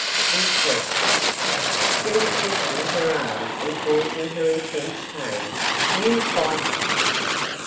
he shrieked, still twisting her arm and causing her intense pain, 'you viper!